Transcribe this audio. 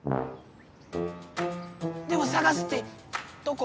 でもさがすってどこを？